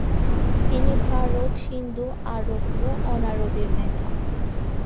তিনি ভারত, সিন্ধু, আরব ও অনারবের নেতা’।